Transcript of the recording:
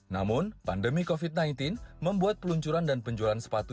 namun pandemi covid sembilan belas membuat peluncuran dan penjualan sepatu